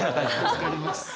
助かります。